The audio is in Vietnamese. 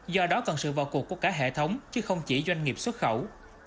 do đó cần sự vào cuộc của cả hệ thống chứ không chỉ doanh nghiệp xuất khẩu